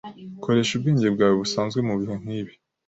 Koresha ubwenge bwawe busanzwe mubihe nkibi.